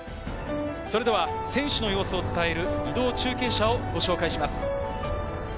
選手の様子を伝える移動中継車を紹介します。